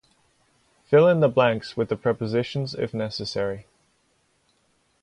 Fill in the blanks with the prepositions if necessary.